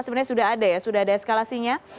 sebenarnya sudah ada ya sudah ada eskalasinya